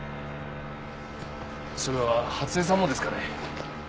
それは初枝さんもですかね？